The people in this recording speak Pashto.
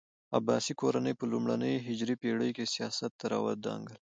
عباسي کورنۍ په لومړنۍ هجري پېړۍ کې سیاست ته راوړانګل.